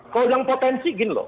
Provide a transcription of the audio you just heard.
kalau yang potensi gini loh